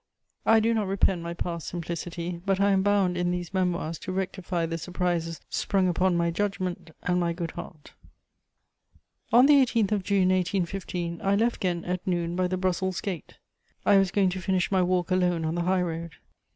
I do not repent my past simplicity; but I am bound, in these Memoirs, to rectify the surprises sprung upon my judgment and my good heart. * [Sidenote: Excitement at Ghent.] On the 18th of June 1815, I left Ghent at noon by the Brussels gate; I was going to finish my walk alone on the high road.